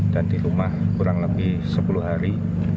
dan di rumah kurang lebih sepuluh hari